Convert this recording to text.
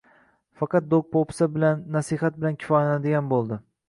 faqat do'q-po'pisa bilan, nasihat bilan kifoyalanadigan bo'ldi: